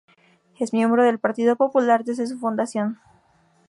Es miembro del Partido Popular desde su fundación.